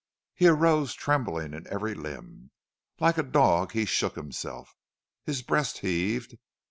He arose trembling in every limb. Like a dog he shook himself. His breast heaved.